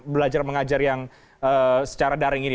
belajar mengajar yang secara daring ini